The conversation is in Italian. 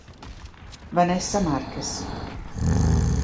Vanessa Marquez